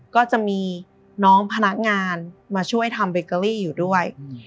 ก็จะมีน้องพนักงานมาช่วยทำเบเกอรี่อยู่ด้วย